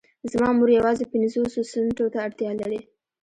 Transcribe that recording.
زما مور يوازې پنځوسو سنټو ته اړتيا لري.